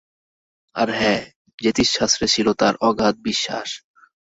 আর হ্যাঁ, জ্যোতিষশাস্ত্রে ছিল তাঁর অগাধ বিশ্বাস।